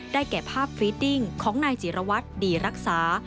แก่ภาพฟรีดดิ้งของนายจิรวัตรดีรักษา